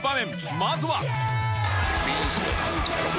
まずは。